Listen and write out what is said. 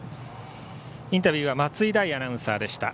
インタビューは松井大アナウンサーでした。